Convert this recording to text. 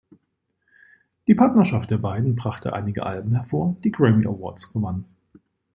Die Partnerschaft der beiden brachte einige Alben hervor, die Grammy Awards gewannen.